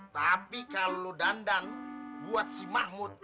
tapi kalau dandan buat si mahmud